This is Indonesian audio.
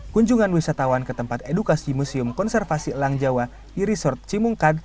kunjungan wisatawan ke tempat edukasi museum konservasi langjawa di resort cimungkad